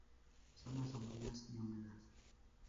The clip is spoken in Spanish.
Zonas umbrías y húmedas.